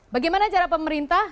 bagaimana cara pemerintah